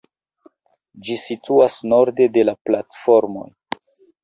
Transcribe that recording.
Ĝi situas norde de la platformoj.